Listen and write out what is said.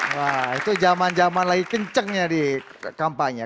wah itu zaman zaman lagi kencengnya di kampanye